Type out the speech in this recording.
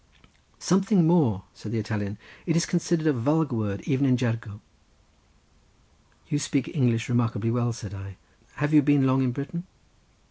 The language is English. "Something more," said the Italian. "It is considered a vulgar word even in jergo." "You speak English remarkably well," said I; "have you been long in Britain?"